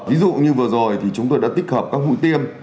ví dụ như vừa rồi thì chúng tôi đã tích hợp các mũi tiêm